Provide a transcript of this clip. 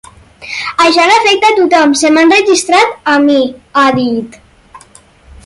Això no afecta tothom, se m’ha enregistrat a mi, ha dit.